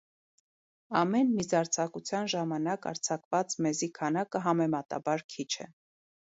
Ամեն միզարձակության ժամանակ արձակված մեզի քանակը համեմատաբար քիչ է։